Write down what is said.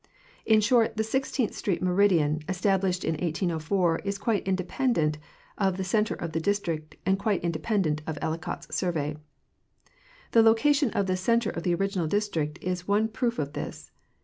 In short, the Sixteenth street meridian, established in 1804, is quite independent of the center of the District and quite independent of Ellicott's survey. The location of the center of the original District is one proof of this.